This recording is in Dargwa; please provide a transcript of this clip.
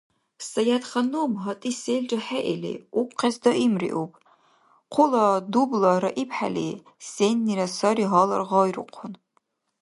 Саятханум, гьатӀи селра хӀеили, укъес даимриуб. Хъула дубла раибхӀели, сеннира сари гьалар гъайрухъун: